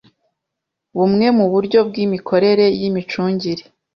bumwe mu buryo bw imikorere y imicungire